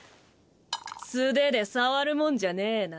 素手で触るもんじゃねぇな。